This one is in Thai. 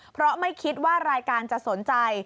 เพราะไม่คิดว่ารายการจะสนใจ